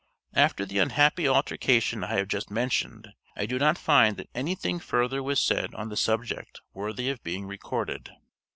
After the unhappy altercation I have just mentioned, I do not find that anything further was said on the subject worthy of being recorded.